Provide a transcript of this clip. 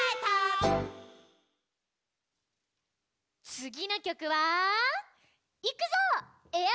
つぎのきょくは「いくぞ！エアロボ」。